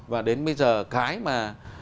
và đến bây giờ cái mà